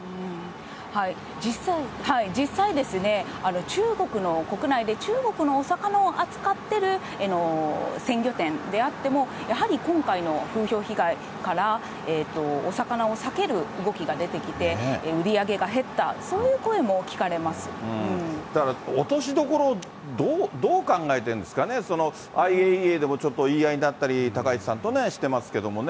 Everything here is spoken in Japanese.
実際、中国の国内で、中国のお魚を扱ってる鮮魚店であっても、やはり今回の風評被害から、お魚を避ける動きが出てきて、売り上げが減った、だから落としどころ、どう考えてんですかね、ＩＡＥＡでもちょっと言い合いになったり、高市さんとね、してますけどね。